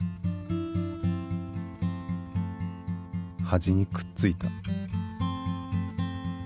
端にくっついた。